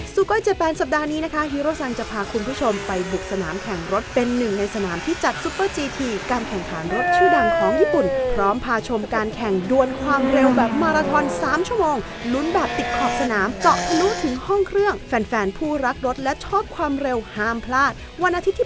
โกยเจแปนสัปดาห์นี้นะคะฮีโรซันจะพาคุณผู้ชมไปบุกสนามแข่งรถเป็นหนึ่งในสนามที่จัดซุปเปอร์จีทีการแข่งขันรถชื่อดังของญี่ปุ่นพร้อมพาชมการแข่งดวนความเร็วแบบมาราทอน๓ชั่วโมงลุ้นแบบติดขอบสนามเจาะทะลุถึงห้องเครื่องแฟนผู้รักรถและชอบความเร็วห้ามพลาดวันอาทิตย์ที่